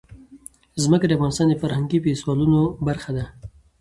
ځمکه د افغانستان د فرهنګي فستیوالونو برخه ده.